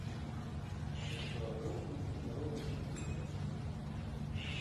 Таму што больш тут не заробіш ніяк.